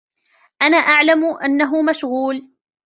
أنا أعلم أنه مشغول.